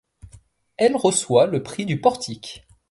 Elle reçoit le Prix du Portique.